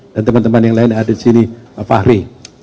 dan teman teman yang lain yang ada di sini pak fahri